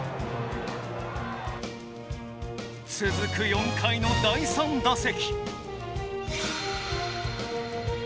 続く４回の第３打席。